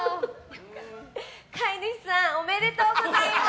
飼い主さんおめでとうございます！